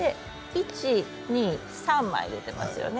１、２、３枚出ていますよね。